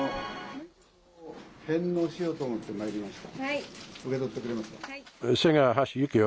免許証を返納しようと思って、まいりました。